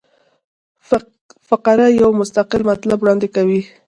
فقره یو مستقل مطلب وړاندي کوي.